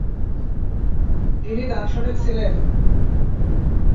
তিনি দার্শনিক ছিলেন।